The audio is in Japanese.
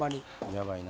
やばいな。